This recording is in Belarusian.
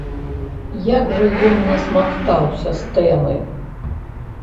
Як жа ён насмактаўся з тэмы!